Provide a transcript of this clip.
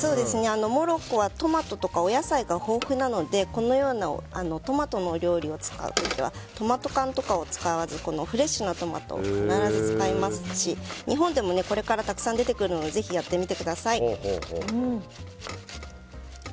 モロッコはトマトとかお野菜が豊富なのでこのようなトマトのお料理を作る時はトマト缶とかを使わずフレッシュなトマトを必ず使いますし日本でもこれからたくさん出てくるのでぜひやってみてください。